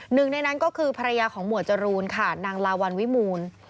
หนึ่งในนั้นก็คือภรรยาของหมวดจรูนค่ะนางลาวัลวิมูล